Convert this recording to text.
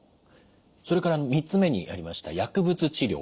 それから３つ目にありました薬物治療。